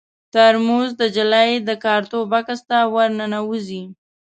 ترموز د نجلۍ د کارتو بکس ته ور ننوځي.